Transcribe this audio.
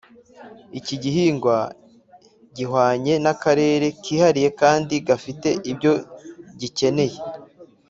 Iki gihingwa gihwanye n’akarere kihariye kandi gafite ibyo gikeneye